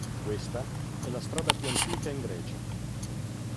Questa è la strada più antica in Grecia.